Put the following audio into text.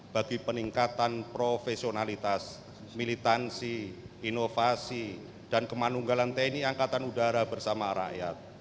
bagi peningkatan profesionalitas militansi inovasi dan kemanunggalan tni angkatan udara bersama rakyat